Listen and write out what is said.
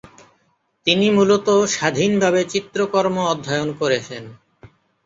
তিনি মূলত স্বাধীনভাবে চিত্রকর্ম অধ্যয়ন করেছেন।